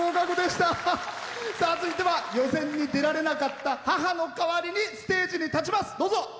続いては予選に出られなかった母の代わりにステージに立ちます。